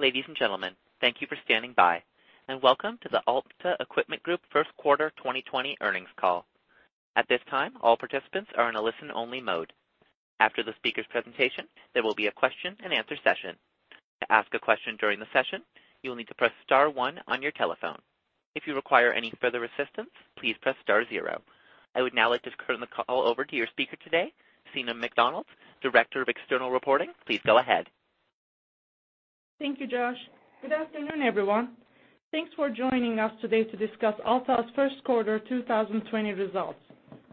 Ladies and gentlemen, thank you for standing by, welcome to the Alta Equipment Group First Quarter 2020 earnings call. At this time, all participants are in a listen-only mode. After the speaker's presentation, there will be a question and answer session. To ask a question during the session, you will need to press star one on your telephone. If you require any further assistance, please press star zero. I would now like to turn the call over to your speaker today, Senam MacDonald, Director of External Reporting. Please go ahead. Thank you, Josh. Good afternoon, everyone. Thanks for joining us today to discuss Alta's first quarter 2020 results.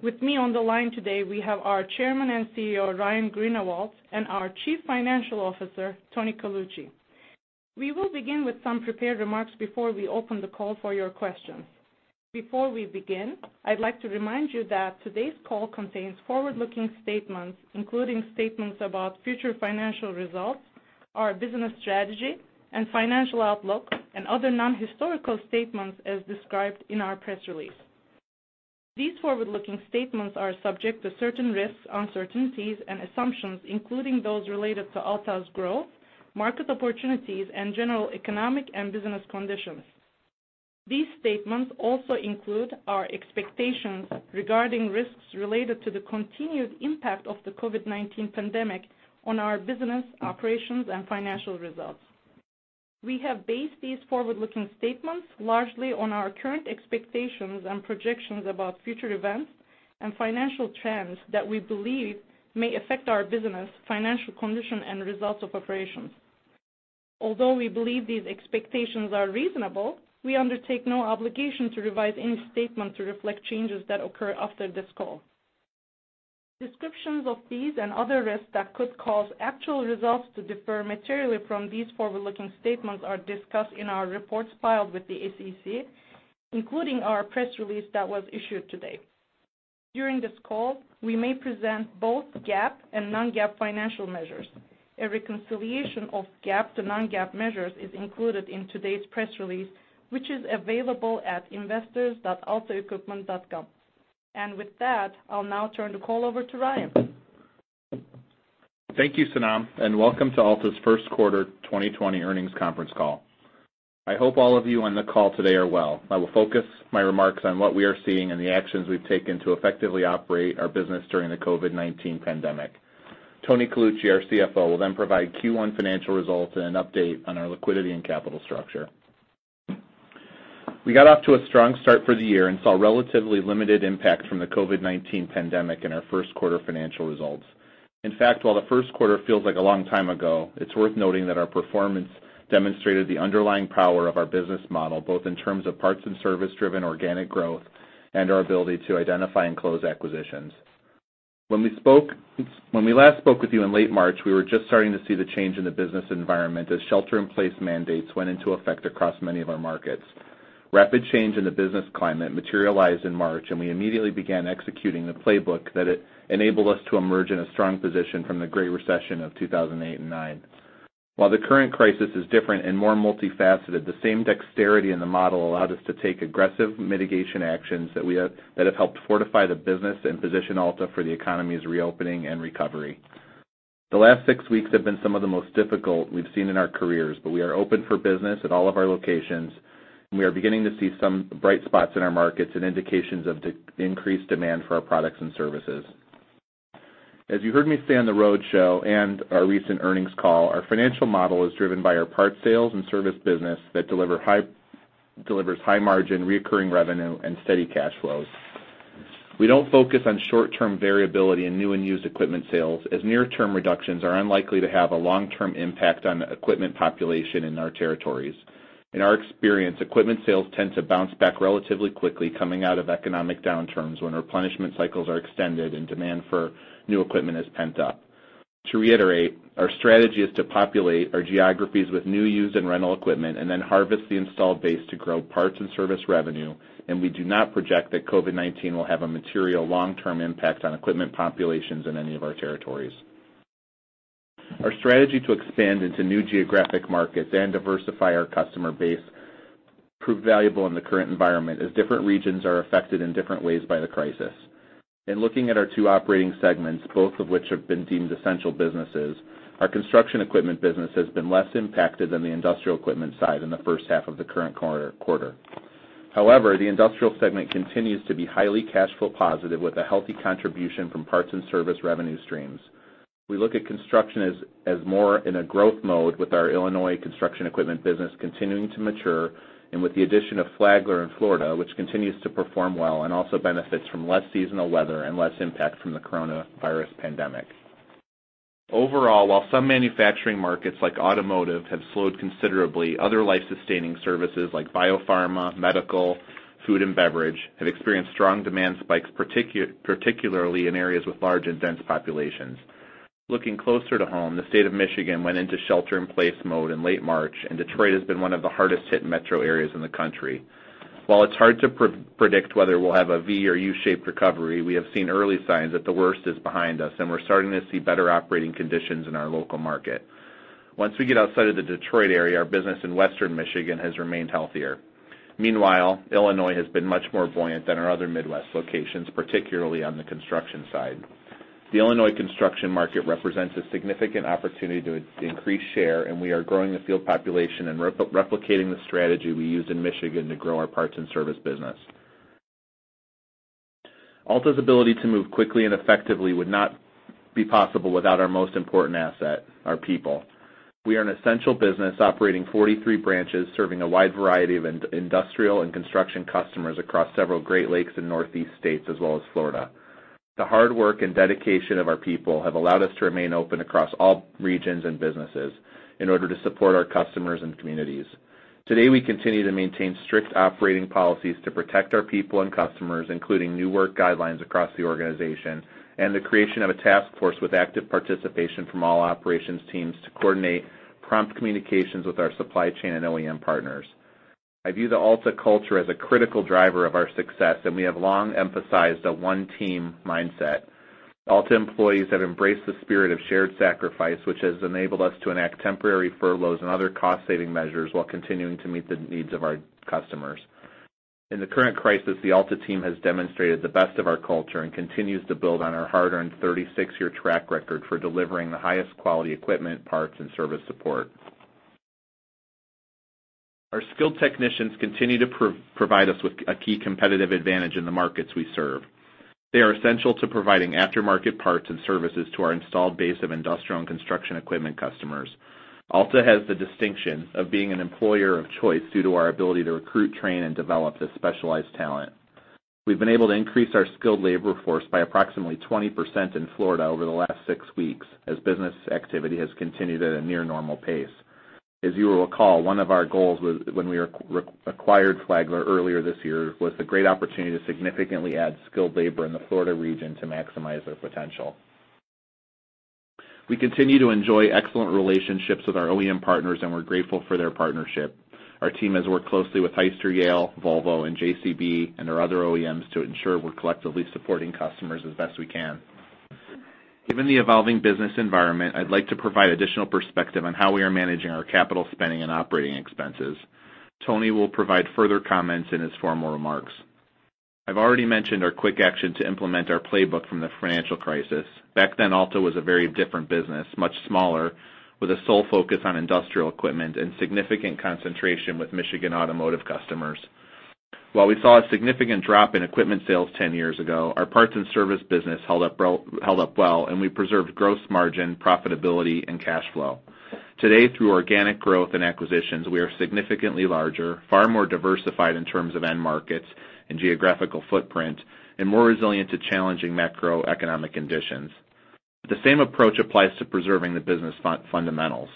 With me on the line today, we have our Chairman and CEO, Ryan Greenawalt, and our Chief Financial Officer, Tony Colucci. We will begin with some prepared remarks before we open the call for your questions. Before we begin, I'd like to remind you that today's call contains forward-looking statements, including statements about future financial results, our business strategy and financial outlook, and other non-historical statements as described in our press release. These forward-looking statements are subject to certain risks, uncertainties, and assumptions, including those related to Alta's growth, market opportunities, and general economic and business conditions. These statements also include our expectations regarding risks related to the continued impact of the COVID-19 pandemic on our business operations and financial results. We have based these forward-looking statements largely on our current expectations and projections about future events and financial trends that we believe may affect our business, financial condition, and results of operations. Although we believe these expectations are reasonable, we undertake no obligation to revise any statement to reflect changes that occur after this call. Descriptions of these and other risks that could cause actual results to differ materially from these forward-looking statements are discussed in our reports filed with the SEC, including our press release that was issued today. During this call, we may present both GAAP and non-GAAP financial measures. A reconciliation of GAAP to non-GAAP measures is included in today's press release, which is available at investors.altaequipment.com. With that, I'll now turn the call over to Ryan. Thank you, Senam, and welcome to Alta's first quarter 2020 earnings conference call. I hope all of you on the call today are well. I will focus my remarks on what we are seeing and the actions we've taken to effectively operate our business during the COVID-19 pandemic. Tony Colucci, our CFO, will provide Q1 financial results and an update on our liquidity and capital structure. We got off to a strong start for the year and saw relatively limited impact from the COVID-19 pandemic in our first quarter financial results. In fact, while the first quarter feels like a long time ago, it's worth noting that our performance demonstrated the underlying power of our business model, both in terms of parts and service driven organic growth and our ability to identify and close acquisitions. When we last spoke with you in late March, we were just starting to see the change in the business environment as shelter in place mandates went into effect across many of our markets. Rapid change in the business climate materialized in March, and we immediately began executing the playbook that enabled us to emerge in a strong position from the Great Recession of 2008 and 2009. While the current crisis is different and more multifaceted, the same dexterity in the model allowed us to take aggressive mitigation actions that have helped fortify the business and position Alta for the economy's reopening and recovery. The last six weeks have been some of the most difficult we've seen in our careers, but we are open for business at all of our locations, and we are beginning to see some bright spots in our markets and indications of increased demand for our products and services. As you heard me say on the roadshow and our recent earnings call, our financial model is driven by our parts sales and service business that delivers high margin, recurring revenue, and steady cash flows. We don't focus on short-term variability in new and used equipment sales, as near-term reductions are unlikely to have a long-term impact on equipment population in our territories. In our experience, equipment sales tend to bounce back relatively quickly coming out of economic downturns when replenishment cycles are extended and demand for new equipment is pent up. To reiterate, our strategy is to populate our geographies with new, used, and rental equipment and then harvest the installed base to grow parts and service revenue, and we do not project that COVID-19 will have a material long-term impact on equipment populations in any of our territories. Our strategy to expand into new geographic markets and diversify our customer base proved valuable in the current environment as different regions are affected in different ways by the crisis. In looking at our two operating segments, both of which have been deemed essential businesses, our construction equipment business has been less impacted than the industrial equipment side in the first half of the current quarter. However, the industrial segment continues to be highly cash flow positive with a healthy contribution from parts and service revenue streams. We look at construction as more in a growth mode with our Illinois construction equipment business continuing to mature and with the addition of Flagler in Florida, which continues to perform well and also benefits from less seasonal weather and less impact from the coronavirus pandemic. Overall, while some manufacturing markets like automotive have slowed considerably, other life-sustaining services like biopharma, medical, food, and beverage have experienced strong demand spikes, particularly in areas with large and dense populations. Looking closer to home, the state of Michigan went into shelter in place mode in late March, and Detroit has been one of the hardest hit metro areas in the country. While it's hard to predict whether we'll have a V or U-shaped recovery, we have seen early signs that the worst is behind us, and we're starting to see better operating conditions in our local market. Once we get outside of the Detroit area, our business in Western Michigan has remained healthier. Meanwhile, Illinois has been much more buoyant than our other Midwest locations, particularly on the construction side. The Illinois construction market represents a significant opportunity to increase share, and we are growing the field population and replicating the strategy we used in Michigan to grow our parts and service business. Alta's ability to move quickly and effectively would not be possible without our most important asset, our people. We are an essential business operating 43 branches, serving a wide variety of industrial and construction customers across several Great Lakes and Northeast states, as well as Florida. The hard work and dedication of our people have allowed us to remain open across all regions and businesses in order to support our customers and communities. Today, we continue to maintain strict operating policies to protect our people and customers, including new work guidelines across the organization and the creation of a task force with active participation from all operations teams to coordinate prompt communications with our supply chain and OEM partners. I view the Alta culture as a critical driver of our success, and we have long emphasized a one-team mindset. Alta employees have embraced the spirit of shared sacrifice, which has enabled us to enact temporary furloughs and other cost-saving measures while continuing to meet the needs of our customers. In the current crisis, the Alta team has demonstrated the best of our culture and continues to build on our hard-earned 36-year track record for delivering the highest quality equipment, parts, and service support. Our skilled technicians continue to provide us with a key competitive advantage in the markets we serve. They are essential to providing aftermarket parts and services to our installed base of industrial and construction equipment customers. Alta has the distinction of being an employer of choice due to our ability to recruit, train, and develop this specialized talent. We've been able to increase our skilled labor force by approximately 20% in Florida over the last six weeks as business activity has continued at a near normal pace. As you will recall, one of our goals when we acquired Flagler earlier this year was the great opportunity to significantly add skilled labor in the Florida region to maximize their potential. We continue to enjoy excellent relationships with our OEM partners, and we're grateful for their partnership. Our team has worked closely with Hyster-Yale, Volvo, and JCB and our other OEMs to ensure we're collectively supporting customers as best we can. Given the evolving business environment, I'd like to provide additional perspective on how we are managing our capital spending and operating expenses. Tony will provide further comments in his formal remarks. I've already mentioned our quick action to implement our playbook from the financial crisis. Back then, Alta was a very different business, much smaller, with a sole focus on industrial equipment and significant concentration with Michigan automotive customers. While we saw a significant drop in equipment sales 10 years ago, our parts and service business held up well, and we preserved gross margin, profitability, and cash flow. Today, through organic growth and acquisitions, we are significantly larger, far more diversified in terms of end markets and geographical footprint, and more resilient to challenging macroeconomic conditions. The same approach applies to preserving the business fundamentals.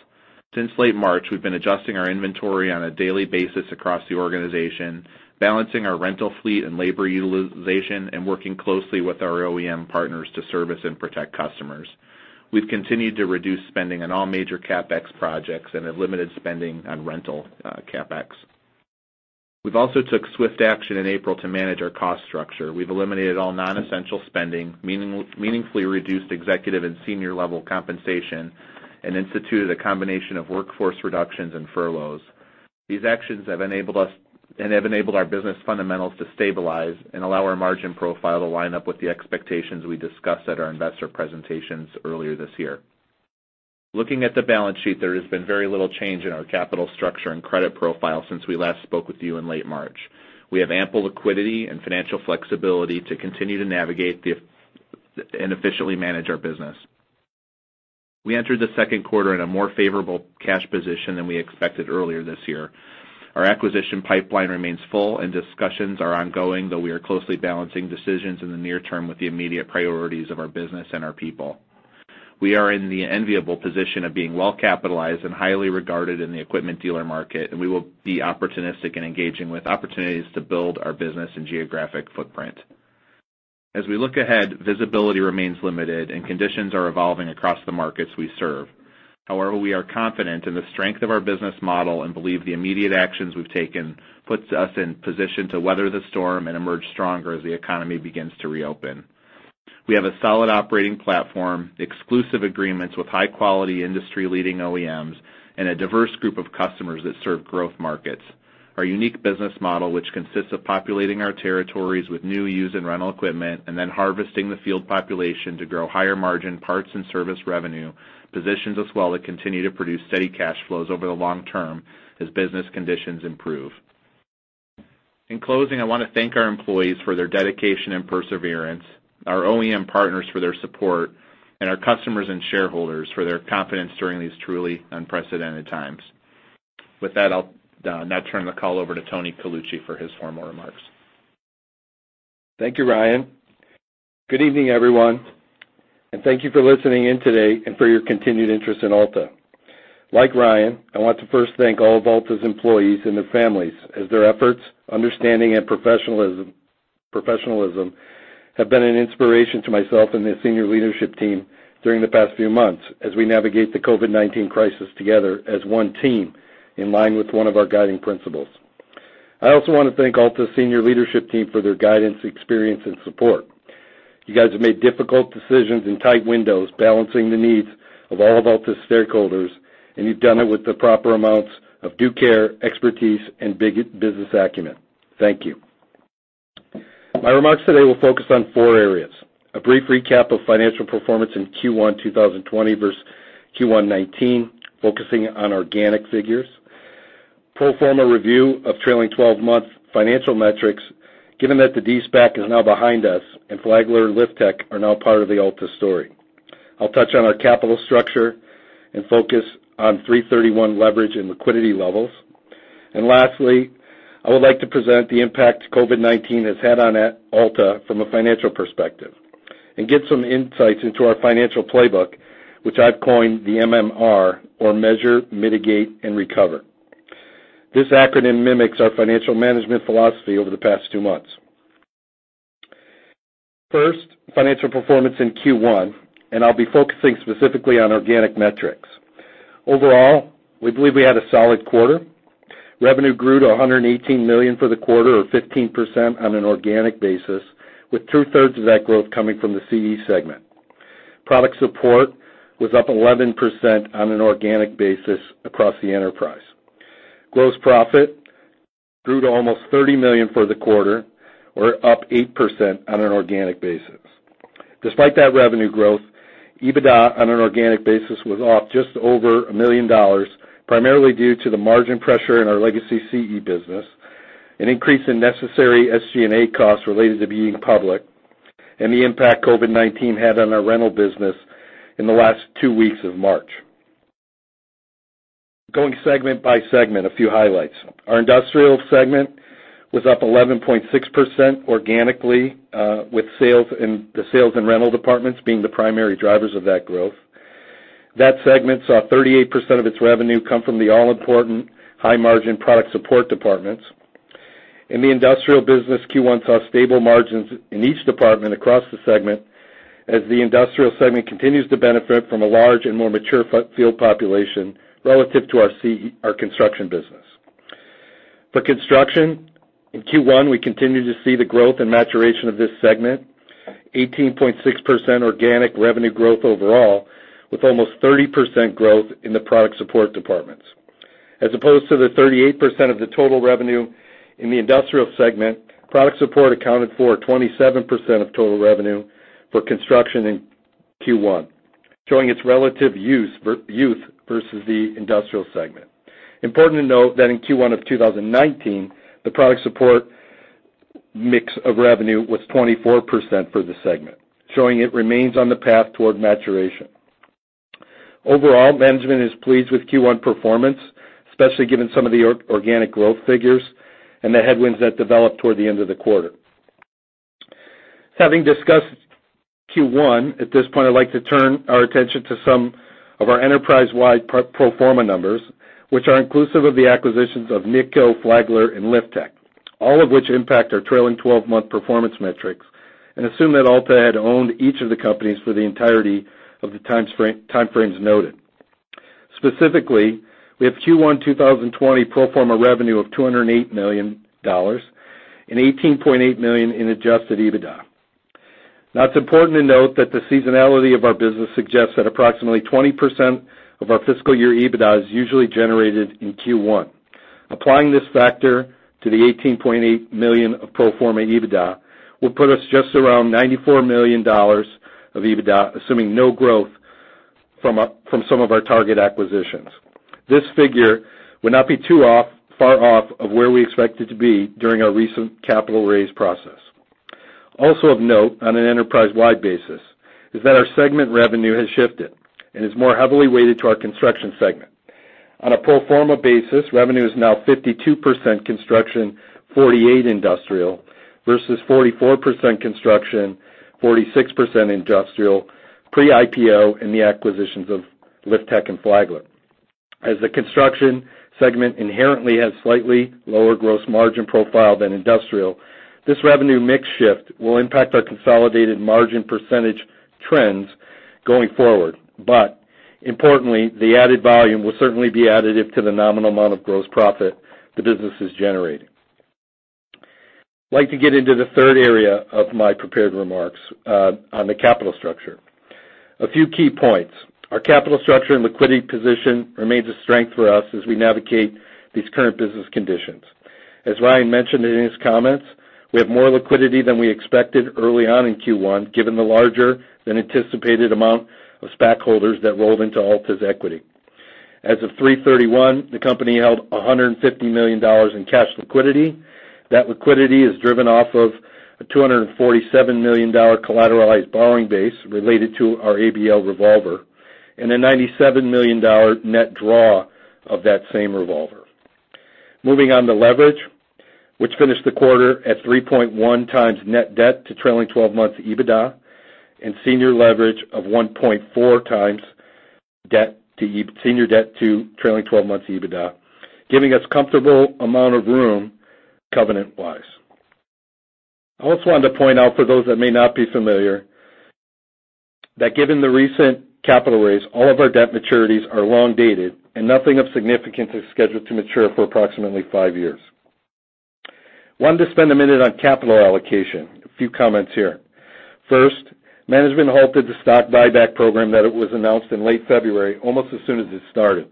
Since late March, we've been adjusting our inventory on a daily basis across the organization, balancing our rental fleet and labor utilization, and working closely with our OEM partners to service and protect customers. We've continued to reduce spending on all major CapEx projects and have limited spending on rental CapEx. We've also took swift action in April to manage our cost structure. We've eliminated all non-essential spending, meaningfully reduced executive and senior level compensation, and instituted a combination of workforce reductions and furloughs. These actions have enabled our business fundamentals to stabilize and allow our margin profile to line up with the expectations we discussed at our investor presentations earlier this year. Looking at the balance sheet, there has been very little change in our capital structure and credit profile since we last spoke with you in late March. We have ample liquidity and financial flexibility to continue to navigate and efficiently manage our business. We entered the second quarter in a more favorable cash position than we expected earlier this year. Our acquisition pipeline remains full and discussions are ongoing, though we are closely balancing decisions in the near term with the immediate priorities of our business and our people. We are in the enviable position of being well-capitalized and highly regarded in the equipment dealer market, and we will be opportunistic in engaging with opportunities to build our business and geographic footprint. As we look ahead, visibility remains limited and conditions are evolving across the markets we serve. However, we are confident in the strength of our business model and believe the immediate actions we've taken puts us in position to weather the storm and emerge stronger as the economy begins to reopen. We have a solid operating platform, exclusive agreements with high-quality, industry-leading OEMs, and a diverse group of customers that serve growth markets. Our unique business model, which consists of populating our territories with new, used, and rental equipment, and then harvesting the field population to grow higher margin parts and service revenue, positions us well to continue to produce steady cash flows over the long term as business conditions improve. In closing, I want to thank our employees for their dedication and perseverance, our OEM partners for their support, and our customers and shareholders for their confidence during these truly unprecedented times. With that, I'll now turn the call over to Tony Colucci for his formal remarks. Thank you, Ryan. Good evening, everyone, and thank you for listening in today and for your continued interest in Alta. Like Ryan, I want to first thank all of Alta's employees and their families, as their efforts, understanding, and professionalism have been an inspiration to myself and the senior leadership team during the past few months as we navigate the COVID-19 crisis together as one team, in line with one of our guiding principles. I also want to thank Alta's senior leadership team for their guidance, experience, and support. You guys have made difficult decisions in tight windows, balancing the needs of all of Alta's stakeholders, and you've done it with the proper amounts of due care, expertise, and business acumen. Thank you. My remarks today will focus on four areas. A brief recap of financial performance in Q1 2020 versus Q1 2019, focusing on organic figures. Pro forma review of trailing 12-month financial metrics, given that the de-SPAC is now behind us, and Flagler and Liftech are now part of the Alta story. I'll touch on our capital structure and focus on 3/31 leverage and liquidity levels. Lastly, I would like to present the impact COVID-19 has had on Alta from a financial perspective and give some insights into our financial playbook, which I've coined the MMR, or measure, mitigate, and recover. This acronym mimics our financial management philosophy over the past two months. First, financial performance in Q1, and I'll be focusing specifically on organic metrics. Overall, we believe we had a solid quarter. Revenue grew to $118 million for the quarter or 15% on an organic basis, with two-thirds of that growth coming from the CE segment. Product support was up 11% on an organic basis across the enterprise. Gross profit grew to almost $30 million for the quarter or up 8% on an organic basis. Despite that revenue growth, EBITDA on an organic basis was off just over $1 million, primarily due to the margin pressure in our legacy CE business, an increase in necessary SG&A costs related to being public, and the impact COVID-19 had on our rental business in the last two weeks of March. Going segment by segment, a few highlights. Our industrial segment was up 11.6% organically, with the sales and rental departments being the primary drivers of that growth. That segment saw 38% of its revenue come from the all-important high margin product support departments. In the industrial business, Q1 saw stable margins in each department across the segment as the industrial segment continues to benefit from a large and more mature field population relative to our construction business. For construction, in Q1, we continued to see the growth and maturation of this segment, 18.6% organic revenue growth overall, with almost 30% growth in the product support departments. As opposed to the 38% of the total revenue in the industrial segment, product support accounted for 27% of total revenue for construction in Q1, showing its relative youth versus the industrial segment. Important to note that in Q1 of 2019, the product support mix of revenue was 24% for the segment, showing it remains on the path toward maturation. Overall, management is pleased with Q1 performance, especially given some of the organic growth figures and the headwinds that developed toward the end of the quarter. Having discussed Q1, at this point, I'd like to turn our attention to some of our enterprise-wide pro forma numbers, which are inclusive of the acquisitions of NITCO, Flagler, and Liftech, all of which impact our trailing 12-month performance metrics and assume that Alta had owned each of the companies for the entirety of the timeframes noted. Specifically, we have Q1 2020 pro forma revenue of $208 million and $18.8 million in adjusted EBITDA. It's important to note that the seasonality of our business suggests that approximately 20% of our fiscal year EBITDA is usually generated in Q1. Applying this factor to the $18.8 million of pro forma EBITDA will put us just around $94 million of EBITDA, assuming no growth from some of our target acquisitions. This figure would not be too far off of where we expected to be during our recent capital raise process. Also of note on an enterprise-wide basis is that our segment revenue has shifted and is more heavily weighted to our Construction segment. On a pro forma basis, revenue is now 52% Construction, 48% Industrial versus 44% Construction, 46% Industrial pre-IPO in the acquisitions of Liftech and Flagler. The Construction segment inherently has slightly lower gross margin profile than Industrial, this revenue mix shift will impact our consolidated margin % trends going forward. Importantly, the added volume will certainly be additive to the nominal amount of gross profit the business is generating. I'd like to get into the third area of my prepared remarks on the capital structure. A few key points. Our capital structure and liquidity position remains a strength for us as we navigate these current business conditions. As Ryan mentioned in his comments, we have more liquidity than we expected early on in Q1, given the larger than anticipated amount of SPAC holders that rolled into Alta's equity. As of 3/31, the company held $150 million in cash liquidity. That liquidity is driven off of a $247 million collateralized borrowing base related to our ABL revolver and a $97 million net draw of that same revolver. Moving on to leverage, which finished the quarter at 3.1 times net debt to trailing 12 months EBITDA and senior leverage of 1.4 times senior debt to trailing 12 months EBITDA, giving us comfortable amount of room covenant-wise. I also wanted to point out for those that may not be familiar, that given the recent capital raise, all of our debt maturities are long-dated, and nothing of significance is scheduled to mature for approximately five years. Wanted to spend a minute on capital allocation. A few comments here. First, management halted the stock buyback program that was announced in late February, almost as soon as it started.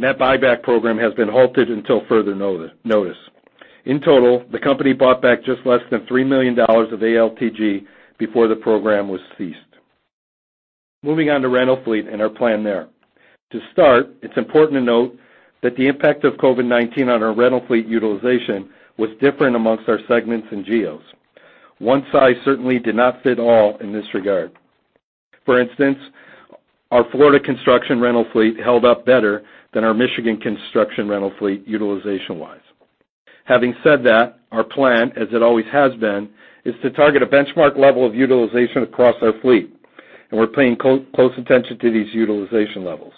That buyback program has been halted until further notice. In total, the company bought back just less than $3 million of ALTG before the program was ceased. Moving on to rental fleet and our plan there. To start, it's important to note that the impact of COVID-19 on our rental fleet utilization was different amongst our segments and geos. One size certainly did not fit all in this regard. For instance, our Florida construction rental fleet held up better than our Michigan construction rental fleet, utilization-wise. Having said that, our plan, as it always has been, is to target a benchmark level of utilization across our fleet, and we're paying close attention to these utilization levels.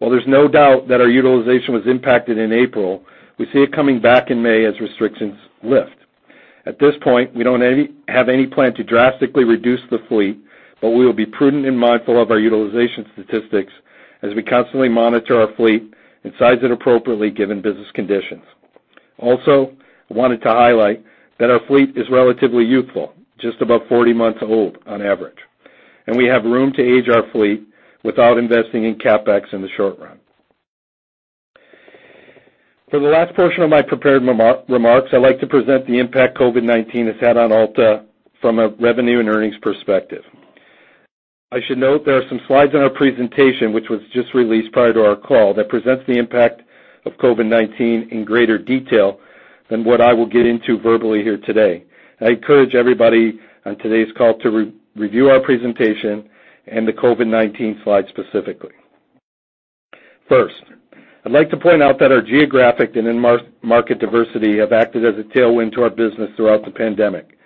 While there's no doubt that our utilization was impacted in April, we see it coming back in May as restrictions lift. At this point, we don't have any plan to drastically reduce the fleet, but we will be prudent and mindful of our utilization statistics as we constantly monitor our fleet and size it appropriately given business conditions. I wanted to highlight that our fleet is relatively youthful, just about 40 months old on average. We have room to age our fleet without investing in CapEx in the short run. For the last portion of my prepared remarks, I'd like to present the impact COVID-19 has had on Alta from a revenue and earnings perspective. I should note there are some slides in our presentation, which was just released prior to our call, that presents the impact of COVID-19 in greater detail than what I will get into verbally here today. I encourage everybody on today's call to review our presentation and the COVID-19 slides specifically. First, I'd like to point out that our geographic and end market diversity have acted as a tailwind to our business throughout the pandemic.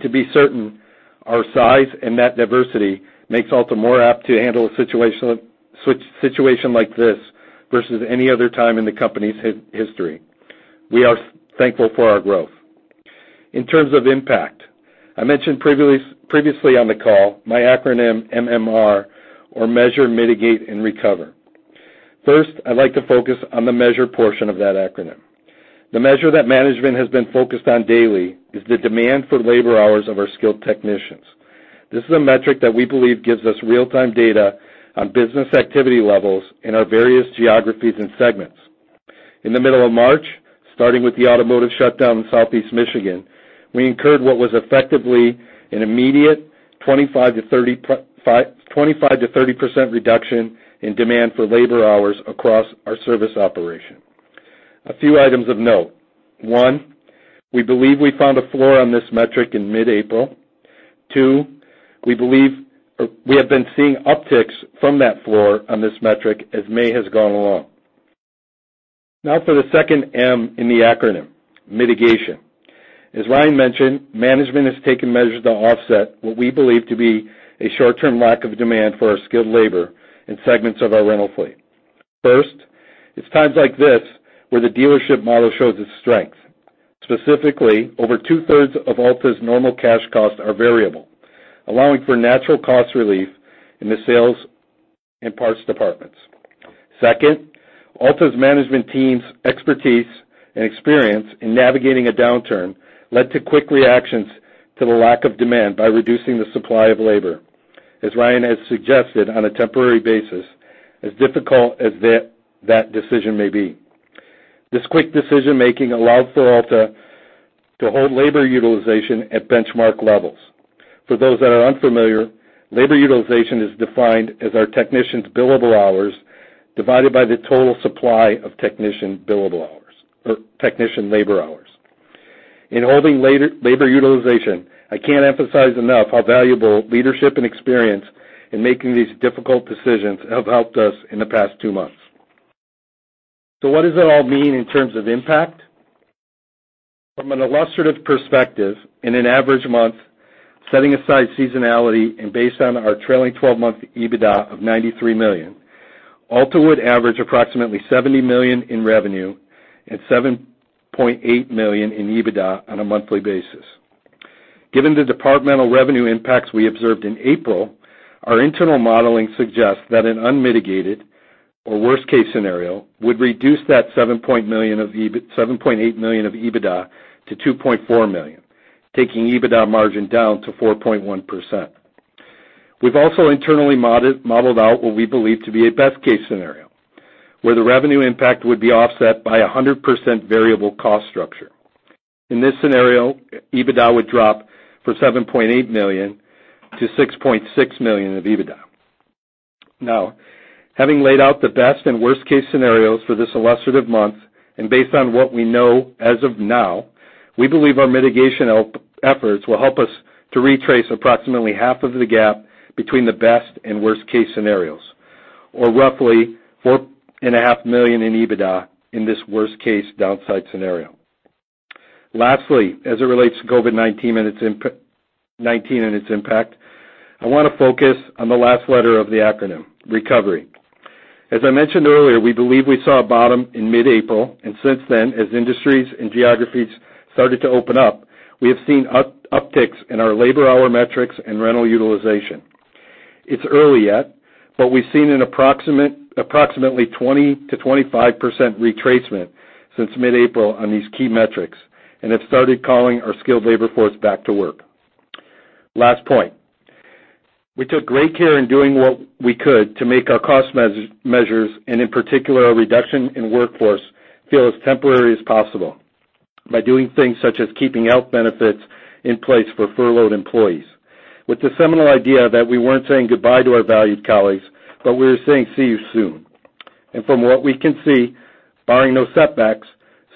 To be certain, our size and that diversity makes Alta more apt to handle a situation like this versus any other time in the company's history. We are thankful for our growth. In terms of impact, I mentioned previously on the call my acronym MMR or measure, mitigate, and recover. First, I'd like to focus on the measure portion of that acronym. The measure that management has been focused on daily is the demand for labor hours of our skilled technicians. This is a metric that we believe gives us real-time data on business activity levels in our various geographies and segments. In the middle of March, starting with the automotive shutdown in Southeast Michigan, we incurred what was effectively an immediate 25%-30% reduction in demand for labor hours across our service operation. A few items of note. One, we believe we found a floor on this metric in mid-April. Two, we have been seeing upticks from that floor on this metric as May has gone along. Now for the second M in the acronym, mitigation. As Ryan mentioned, management has taken measures to offset what we believe to be a short-term lack of demand for our skilled labor in segments of our rental fleet. First, it's times like this where the dealership model shows its strength. Specifically, over two-thirds of Alta's normal cash costs are variable, allowing for natural cost relief in the sales and parts departments. Second, Alta's management team's expertise and experience in navigating a downturn led to quick reactions to the lack of demand by reducing the supply of labor. As Ryan has suggested, on a temporary basis, as difficult as that decision may be. This quick decision-making allowed for Alta to hold labor utilization at benchmark levels. For those that are unfamiliar, labor utilization is defined as our technicians' billable hours divided by the total supply of technician labor hours. In holding labor utilization, I can't emphasize enough how valuable leadership and experience in making these difficult decisions have helped us in the past two months. What does it all mean in terms of impact? From an illustrative perspective, in an average month, setting aside seasonality and based on our trailing 12-month EBITDA of $93 million, Alta would average approximately $70 million in revenue and $7.8 million in EBITDA on a monthly basis. Given the departmental revenue impacts we observed in April, our internal modeling suggests that an unmitigated or worst-case scenario would reduce that $7.8 million of EBITDA to $2.4 million, taking EBITDA margin down to 4.1%. We've also internally modeled out what we believe to be a best-case scenario, where the revenue impact would be offset by 100% variable cost structure. In this scenario, EBITDA would drop from $7.8 million to $6.6 million of EBITDA. Now, having laid out the best and worst case scenarios for this illustrative month, and based on what we know as of now, we believe our mitigation efforts will help us to retrace approximately half of the gap between the best and worst case scenarios, or roughly $4.5 million in EBITDA in this worst case downside scenario. Lastly, as it relates to COVID-19 and its impact, I want to focus on the last letter of the acronym, recovery. As I mentioned earlier, we believe we saw a bottom in mid-April, and since then, as industries and geographies started to open up, we have seen upticks in our labor hour metrics and rental utilization. It's early yet, we've seen an approximately 20%-25% retracement since mid-April on these key metrics and have started calling our skilled labor force back to work. Last point, we took great care in doing what we could to make our cost measures, and in particular, a reduction in workforce, feel as temporary as possible by doing things such as keeping health benefits in place for furloughed employees with the seminal idea that we weren't saying goodbye to our valued colleagues, but we were saying, "See you soon." From what we can see, barring no setbacks,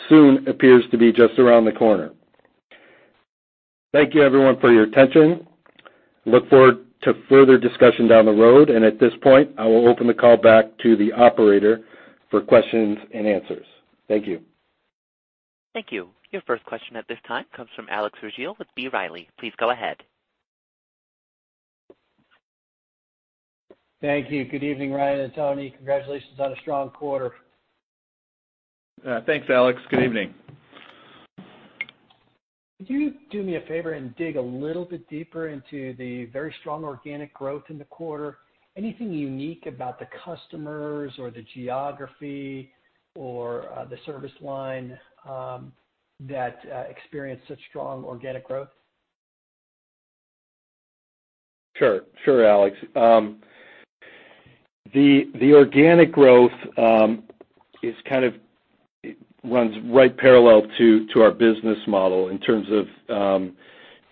soon appears to be just around the corner. Thank you, everyone, for your attention. Look forward to further discussion down the road. At this point, I will open the call back to the operator for questions and answers. Thank you. Thank you. Your first question at this time comes from Alex Rygiel with B. Riley. Please go ahead. Thank you. Good evening, Ryan and Tony. Congratulations on a strong quarter. Thanks, Alex. Good evening. Could you do me a favor and dig a little bit deeper into the very strong organic growth in the quarter? Anything unique about the customers or the geography or the service line that experienced such strong organic growth? Sure, Alex. The organic growth runs right parallel to our business model in terms of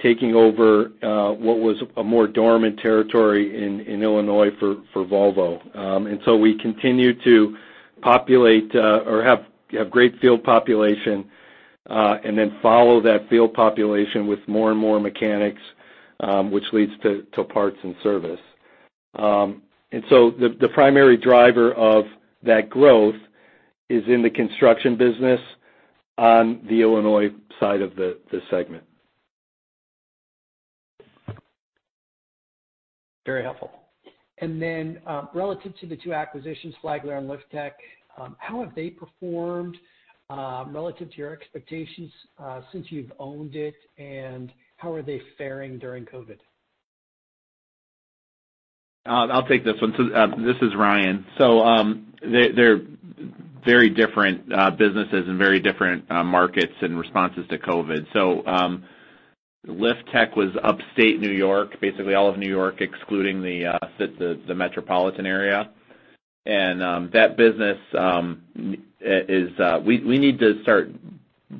taking over what was a more dormant territory in Illinois for Volvo. We continue to populate or have great field population, and then follow that field population with more and more mechanics, which leads to parts and service. The primary driver of that growth is in the construction business on the Illinois side of the segment. Very helpful. Then relative to the two acquisitions, Flagler and Liftech, how have they performed relative to your expectations since you've owned it, and how are they faring during COVID? I'll take this one. This is Ryan. They're very different businesses and very different markets and responses to COVID-19. Liftech was Upstate New York, basically all of New York, excluding the metropolitan area. That business, we need to start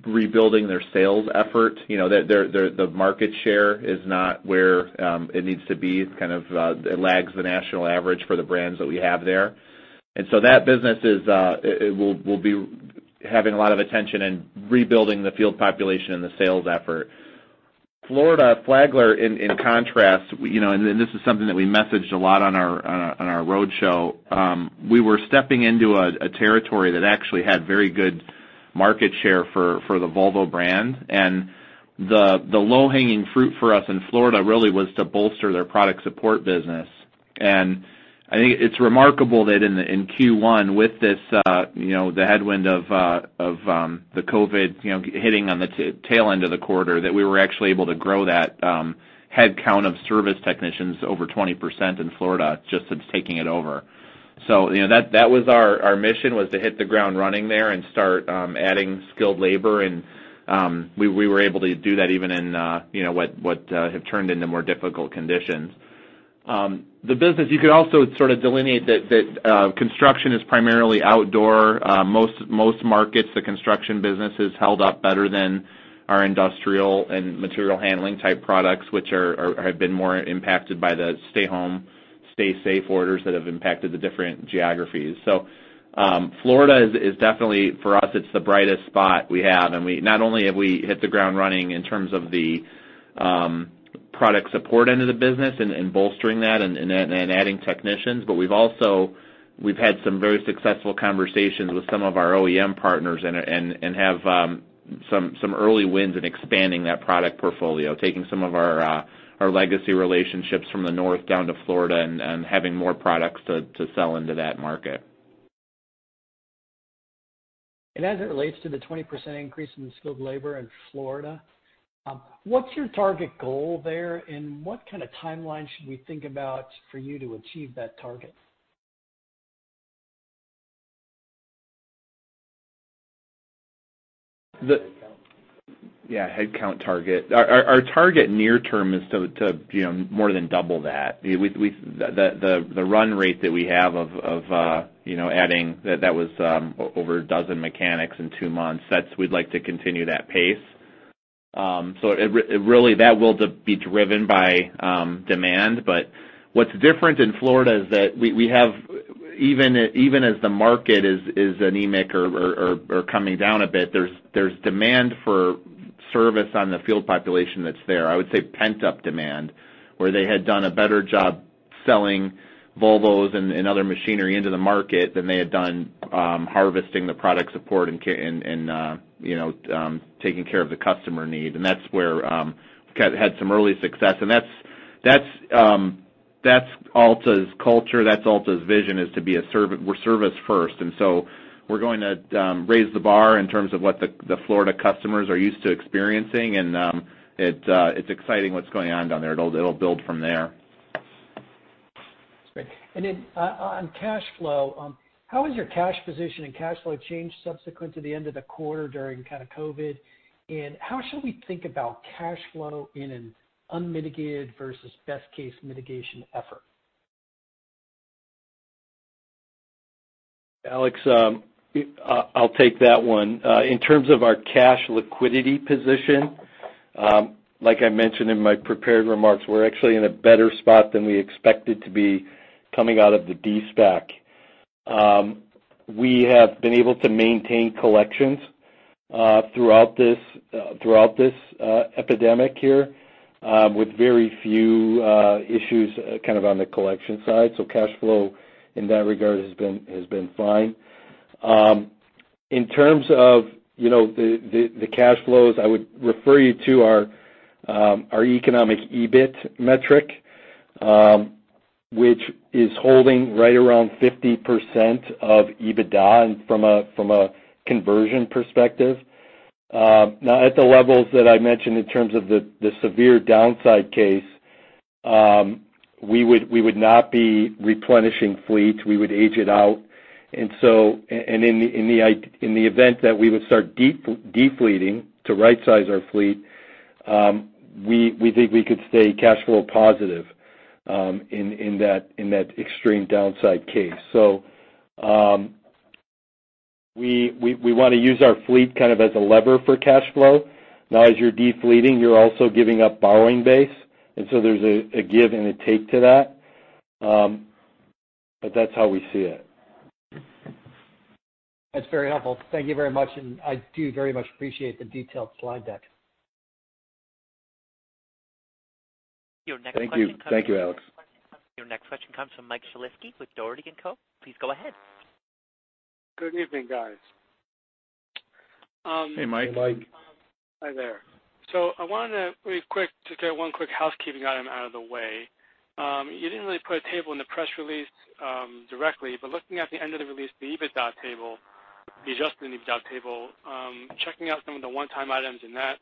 rebuilding their sales effort. The market share is not where it needs to be. It lags the national average for the brands that we have there. That business will be having a lot of attention in rebuilding the field population and the sales effort. Florida Flagler, in contrast, this is something that we messaged a lot on our roadshow. We were stepping into a territory that actually had very good market share for the Volvo brand. The low-hanging fruit for us in Florida really was to bolster their product support business. I think it's remarkable that in Q1, with the headwind of the COVID hitting on the tail end of the quarter, that we were actually able to grow that headcount of service technicians over 20% in Florida just since taking it over. That was our mission, was to hit the ground running there and start adding skilled labor. We were able to do that even in what have turned into more difficult conditions. The business, you could also sort of delineate that construction is primarily outdoor. Most markets, the construction business has held up better than our industrial and material handling type products, which have been more impacted by the stay home, stay safe orders that have impacted the different geographies. Florida is definitely for us, it's the brightest spot we have. Not only have we hit the ground running in terms of the product support end of the business and bolstering that and adding technicians, but we've had some very successful conversations with some of our OEM partners and have some early wins in expanding that product portfolio. Taking some of our legacy relationships from the north down to Florida and having more products to sell into that market. As it relates to the 20% increase in skilled labor in Florida, what's your target goal there, and what kind of timeline should we think about for you to achieve that target? The- Headcount. Yeah, headcount target. Our target near term is to more than double that. The run rate that we have of adding, that was over 12 mechanics in two months. We'd like to continue that pace. Really, that will be driven by demand. What's different in Florida is that we have, even as the market is anemic or coming down a bit, there's demand for service on the field population that's there. I would say pent-up demand, where they had done a better job selling Volvos and other machinery into the market than they had done harvesting the product support and taking care of the customer need. That's where we had some early success. That's Alta's culture, that's Alta's vision is to be a service. We're service first. We're going to raise the bar in terms of what the Florida customers are used to experiencing, and it's exciting what's going on down there. It'll build from there. That's great. Then on cash flow, how has your cash position and cash flow changed subsequent to the end of the quarter during kind of COVID? How should we think about cash flow in an unmitigated versus best case mitigation effort? Alex, I'll take that one. In terms of our cash liquidity position, like I mentioned in my prepared remarks, we're actually in a better spot than we expected to be coming out of the de-SPAC. We have been able to maintain collections throughout this epidemic here with very few issues on the collection side. Cash flow in that regard has been fine. In terms of the cash flows, I would refer you to our Economic EBIT metric, which is holding right around 50% of EBITDA from a conversion perspective. At the levels that I mentioned in terms of the severe downside case, we would not be replenishing fleet. We would age it out. In the event that we would start de-fleeting to right size our fleet, we think we could stay cash flow positive in that extreme downside case. We want to use our fleet kind of as a lever for cash flow. As you're de-fleeting, you're also giving up borrowing base, and so there's a give and a take to that. That's how we see it. That's very helpful. Thank you very much. I do very much appreciate the detailed slide deck. Thank you, Alex. Your next question comes from Mike Shlisky with Dougherty & Company. Please go ahead. Good evening, guys. Hey, Mike. Hey, Mike. Hi there. I wanted to really quick, just get one quick housekeeping item out of the way. You didn't really put a table in the press release directly, but looking at the end of the release, the EBITDA table, the adjusted EBITDA table, checking out some of the one-time items in that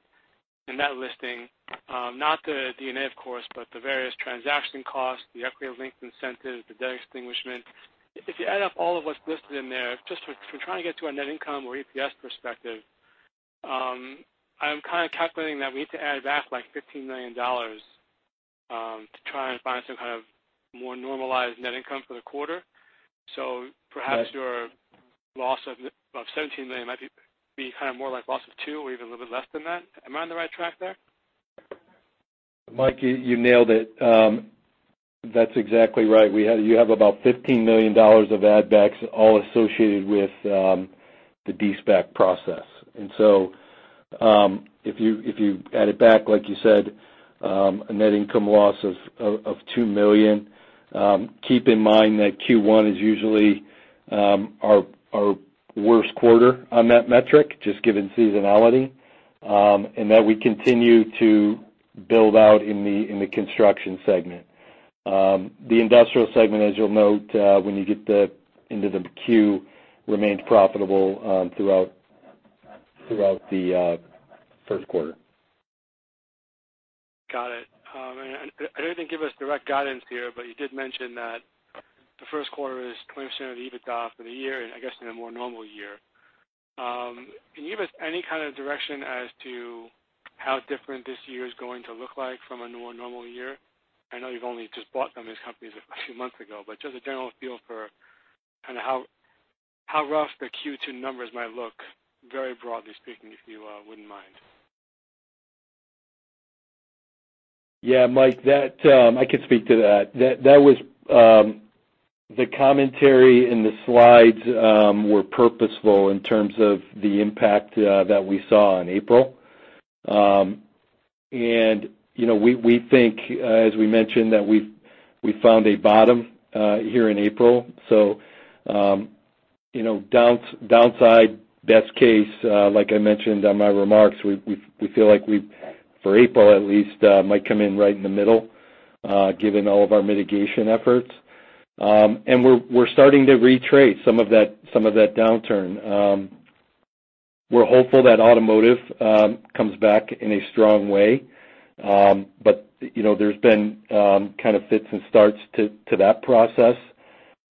listing, not the D&A, of course, but the various transaction costs, the equity-linked incentive, the debt extinguishment. If you add up all of what's listed in there, just from trying to get to a net income or EPS perspective, I'm kind of calculating that we need to add back like $15 million to try and find some kind of more normalized net income for the quarter. Perhaps your loss of $17 million might be kind of more like loss of two or even a little bit less than that. Am I on the right track there? Mike, you nailed it. That's exactly right. You have about $15 million of add backs all associated with the de-SPAC process. If you add it back, like you said, a net income loss of $2 million. Keep in mind that Q1 is usually our worst quarter on that metric, just given seasonality, and that we continue to build out in the construction segment. The industrial segment, as you'll note when you get into the Q, remains profitable throughout the first quarter. Got it. I know you didn't give us direct guidance here, but you did mention that the first quarter is 20% of EBITDA for the year, and I guess in a more normal year. Can you give us any kind of direction as to how different this year is going to look like from a more normal year? I know you've only just bought some of these companies a few months ago, but just a general feel for kind of how rough the Q2 numbers might look, very broadly speaking, if you wouldn't mind. Mike, I can speak to that. The commentary and the slides were purposeful in terms of the impact that we saw in April. We think, as we mentioned, that we found a bottom here in April. Downside best case, like I mentioned on my remarks, we feel like we, for April at least, might come in right in the middle given all of our mitigation efforts. We're starting to retrace some of that downturn. We're hopeful that automotive comes back in a strong way. There's been kind of fits and starts to that process.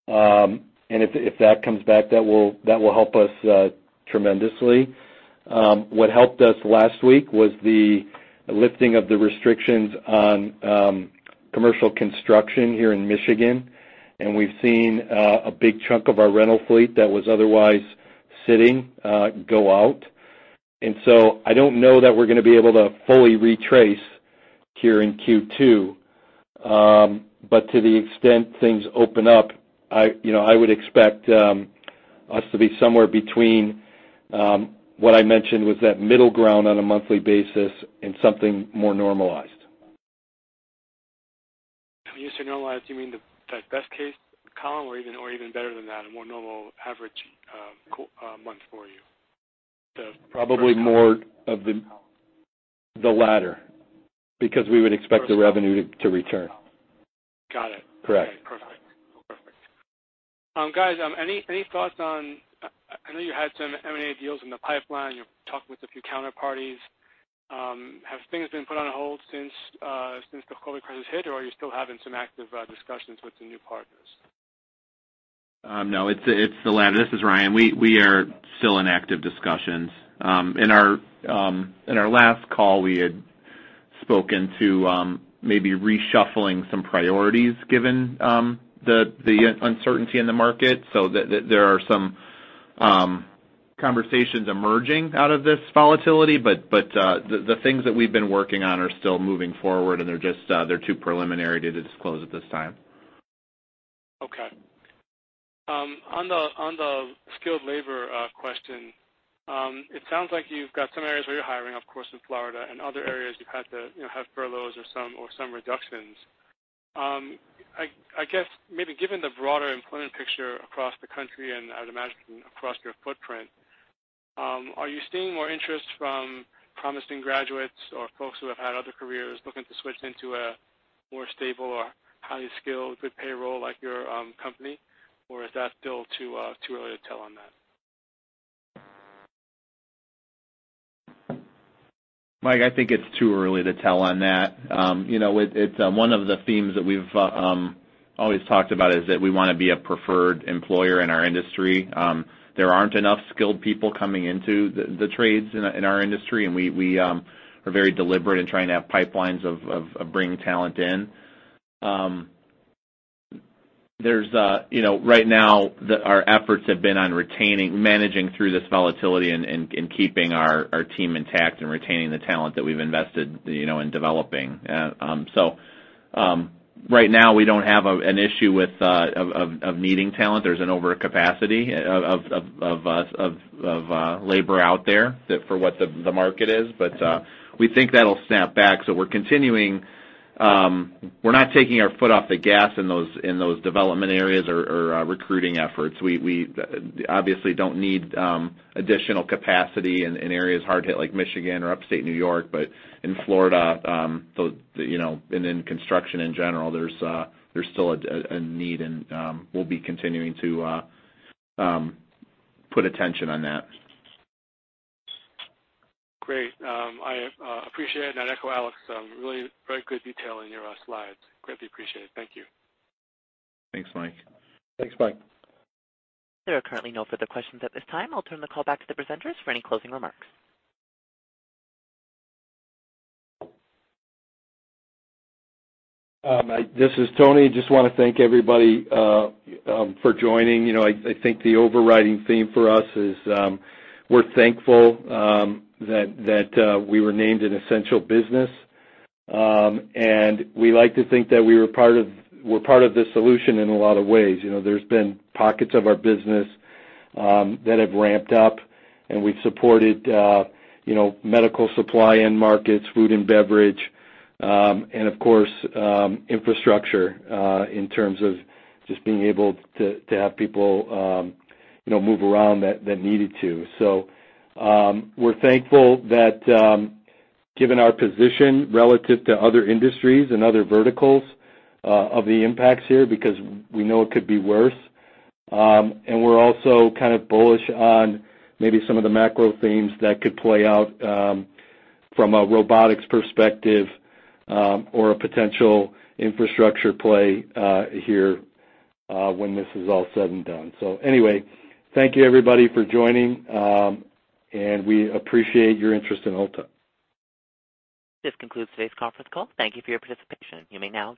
If that comes back, that will help us tremendously. What helped us last week was the lifting of the restrictions on commercial construction here in Michigan, and we've seen a big chunk of our rental fleet that was otherwise sitting go out. I don't know that we're going to be able to fully retrace here in Q2. To the extent things open up, I would expect us to be somewhere between what I mentioned was that middle ground on a monthly basis and something more normalized. When you say normalized, you mean the best case column or even better than that, a more normal average month for you? Probably more of the latter, because we would expect the revenue to return. Got it. Correct. Perfect. Guys, any thoughts on, I know you had some M&A deals in the pipeline. You've talked with a few counterparties. Have things been put on hold since the COVID crisis hit, or are you still having some active discussions with the new partners? No, it's the latter. This is Ryan. We are still in active discussions. In our last call, we had spoken to maybe reshuffling some priorities given the uncertainty in the market, so there are some conversations emerging out of this volatility, but the things that we've been working on are still moving forward, and they're too preliminary to disclose at this time. Okay. On the skilled labor question, it sounds like you've got some areas where you're hiring, of course, in Florida and other areas you've had to have furloughs or some reductions. I guess maybe given the broader employment picture across the country and I would imagine across your footprint, are you seeing more interest from promising graduates or folks who have had other careers looking to switch into a more stable or highly skilled, good payroll like your company, or is that still too early to tell on that? Mike, I think it's too early to tell on that. One of the themes that we've always talked about is that we want to be a preferred employer in our industry. There aren't enough skilled people coming into the trades in our industry. We are very deliberate in trying to have pipelines of bringing talent in. Right now, our efforts have been on retaining, managing through this volatility, and keeping our team intact and retaining the talent that we've invested in developing. Right now, we don't have an issue of needing talent. There's an overcapacity of labor out there for what the market is. We think that'll snap back. We're continuing. We're not taking our foot off the gas in those development areas or recruiting efforts. We obviously don't need additional capacity in areas hard hit like Michigan or upstate New York. In Florida, and in construction in general, there's still a need, and we'll be continuing to put attention on that. Great. I appreciate it and echo Alex. Really very good detail in your slides. Greatly appreciated. Thank you. Thanks, Mike. Thanks, Mike. There are currently no further questions at this time. I'll turn the call back to the presenters for any closing remarks. This is Tony. Just want to thank everybody for joining. I think the overriding theme for us is we're thankful that we were named an essential business. We like to think that we're part of the solution in a lot of ways. There's been pockets of our business that have ramped up, and we've supported medical supply end markets, food and beverage, and of course, infrastructure, in terms of just being able to have people move around that needed to. We're thankful that given our position relative to other industries and other verticals of the impacts here, because we know it could be worse. We're also kind of bullish on maybe some of the macro themes that could play out from a robotics perspective or a potential infrastructure play here when this is all said and done. Anyway, thank you everybody for joining, and we appreciate your interest in Alta. This concludes today's conference call. Thank you for your participation. You may now disconnect.